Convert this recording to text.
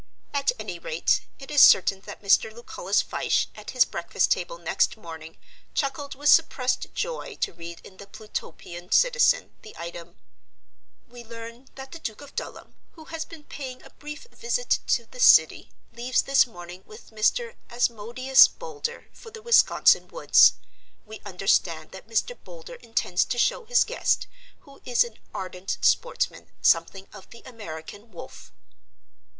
At any rate, it is certain that Mr. Lucullus Fyshe at his breakfast table next morning chuckled with suppressed joy to read in the Plutopian Citizen the item: "We learn that the Duke of Dulham, who has been paying a brief visit to the City, leaves this morning with Mr. Asmodeus Boulder for the Wisconsin woods. We understand that Mr. Boulder intends to show his guest, who is an ardent sportsman, something of the American wolf."